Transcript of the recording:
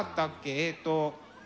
えっと。